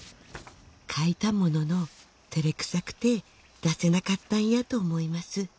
「書いたものの照れくさくて」「出せなかったんやと思います」